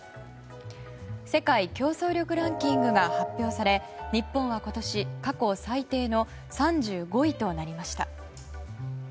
世界競争力ランキングが発表され日本は今年、過去最低の３５位となりました。